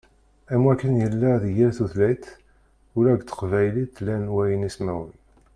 Am wakken yella di yal tutlayt, ula deg teqbaylit llan waynismawen.